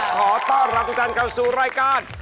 ขอต้อนรับทุกท่านเข้าสู่รายการ